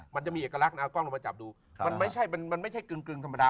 มันจะมีเอกลักษณ์นะเอากล้องลงมาจับดูมันไม่ใช่มันไม่ใช่กึ่งธรรมดา